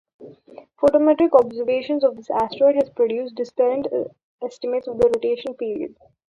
Photometric observations of this asteroid have produced discrepant estimates of the rotation period.